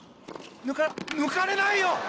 抜かれないよ！